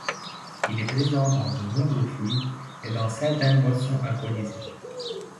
Il est présent dans de nombreux fruits et dans certaines boissons alcoolisées.